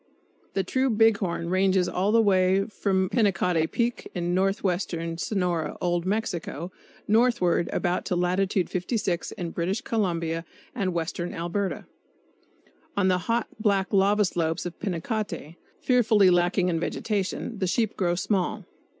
The true big horn ranges all the way from Pinacate Peak, in northwestern Sonora, Old Mexico, northward about to Latitude 56 in British Columbia and western Alberta. On the hot, black lava slopes of Pinacate, fearfully lacking in vegetation, the sheep grow small.